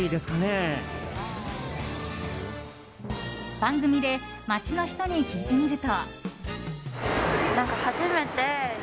番組で街の人に聞いてみると。